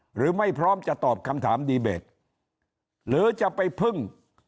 พร้อมจะตอบคำถามดีเบตหรือจะไปพึ่ง